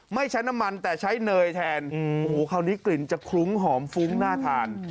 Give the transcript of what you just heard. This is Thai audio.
ไม่ใช้น้ำมันแต่ใช้เนยแทนโอ้โหคราวนี้กลิ่นจะคลุ้งหอมฟุ้งน่าทาน